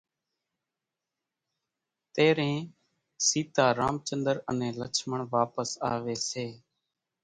تيرين سيتا، رامچندر انين لڇمڻ واپس آوي سي